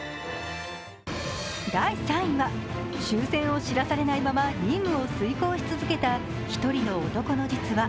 第３位は、終戦を知らされないまま任務を遂行し続けた１人の男の実話。